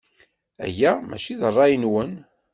Aya maci d ṛṛay-nwen.